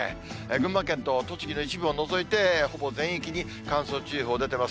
群馬県と栃木の一部を除いて、ほぼ全域に乾燥注意報出てます。